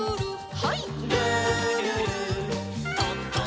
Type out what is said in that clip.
はい。